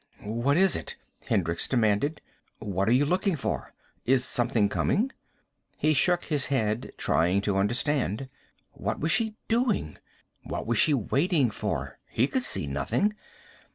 "What is it?" Hendricks demanded. "What are you looking for? Is something coming?" He shook his head, trying to understand. What was she doing? What was she waiting for? He could see nothing.